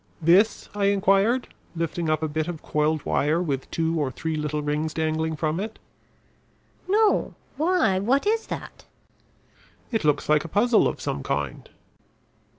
"This?" I inquired, lifting up a bit of coiled wire with two or three little rings dangling from it. "No; why, what is that?" "It looks like a puzzle of some kind."